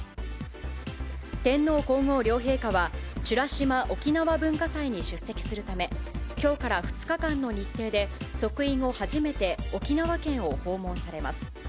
天皇皇后両陛下は、美ら島おきなわ文化祭に出席するため、きょうから２日間の日程で、即位後初めて、沖縄県を訪問されます。